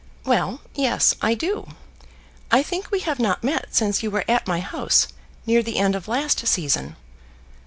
"Well; yes, I do. I think we have not met since you were at my house near the end of last season."